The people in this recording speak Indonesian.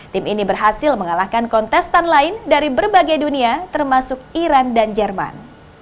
tim ini berhasil mengalahkan kontestan lain dari berbagai dunia termasuk iran dan jerman